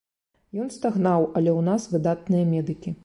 Ён стагнаў, але ў нас выдатныя медыкі.